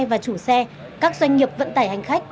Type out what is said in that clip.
và chủ xe các doanh nghiệp vận tải hành khách